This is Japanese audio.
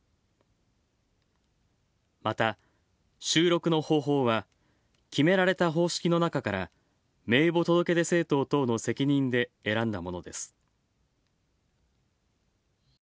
また、収録の方法は決められた方式の中から名簿届出政党等の責任で選んだものです。